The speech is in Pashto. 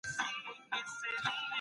هغه د خپل ځان په پاک ساتلو بوخت دی.